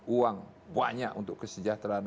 uang banyak untuk kesejahteraan